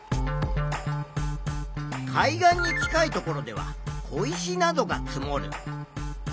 海岸に近いところでは小石などが積もる。